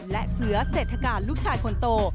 และเสือเศรษฐการลูกชายคนโต